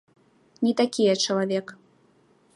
Не такі я чалавек.